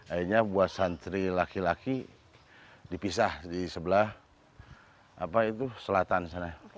akhirnya buat santri laki laki dipisah di sebelah selatan sana